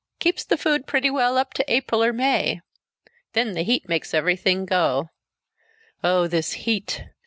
"Keeps the food pretty well up to April or May. Then the heat makes everything go. Oh! This heat!